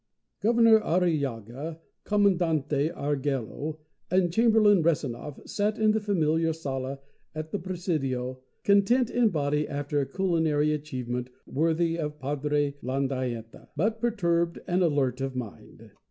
XIV Governor Arrillaga, Commandante Arguello, and Chamberlain Rezanov sat in the familiar sala at the Presidio content in body after a culinary achievement worthy of Padre Landaeta, but perturbed and alert of mind.